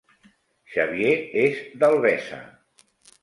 Xavier és d'Albesa